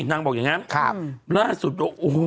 นางบอกอย่างนั้นครับ